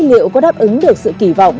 liệu có đáp ứng được sự kỳ vọng